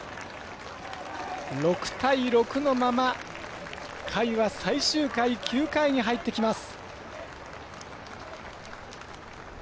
６対６のまま回は最終回、９回に入ってきます。